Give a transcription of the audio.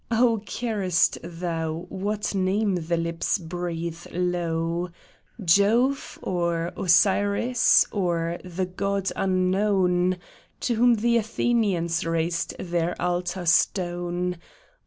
Oh, carest Thou what name the lips breathe low Jove, or Osiris, or the God Unknown To whom the Athenians raised their altar stone.